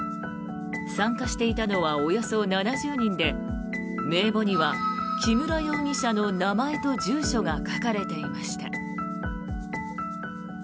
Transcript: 参加していたのはおよそ７０人で名簿には木村容疑者の名前と住所が書かれていました。